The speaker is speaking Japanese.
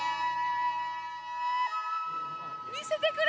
見せてくれ！